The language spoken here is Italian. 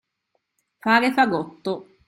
Fare fagotto.